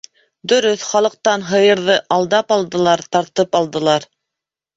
Дөрөҫ, халыҡтан һыйырҙы алдап алдылар, тартып алдылар.